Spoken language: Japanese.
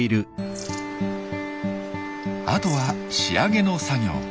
あとは仕上げの作業。